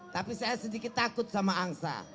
tapi saya sedikit takut sama angsa